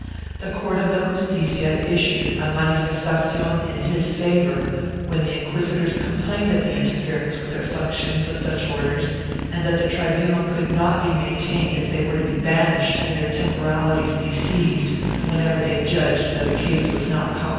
The court of the Justicia issued a manifestacion in his favor, when the inquisitors complained of the interference with their functions of such orders and that the tribunal could not be main tained if they were to be banished and their temporalities be seized whenever they judged that a case was not comprehended 1 Bibl.